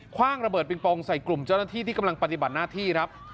ว่างระเบิดปิงปองใส่กลุ่มเจ้าหน้าที่ที่กำลังปฏิบัติหน้าที่ครับ